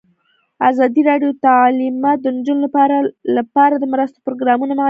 ازادي راډیو د تعلیمات د نجونو لپاره لپاره د مرستو پروګرامونه معرفي کړي.